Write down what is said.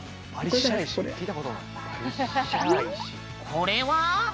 これは？